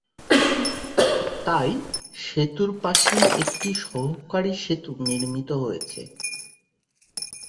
তাই সেতুর পাশেই একটি সহকারী সেতু নির্মিত হয়েছে।